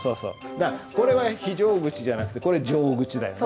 だからこれは非常口じゃなくてこれ常口だよね？